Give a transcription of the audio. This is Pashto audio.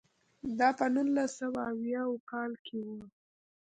دا په نولس سوه اویاووه کال کې و.